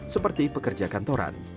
seperti pekerja kantoran